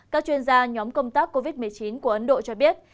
các chuyên gia nhóm công tác covid một mươi chín của ấn độ cho biết